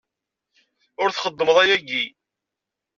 Ur txeddmeḍ ayagi!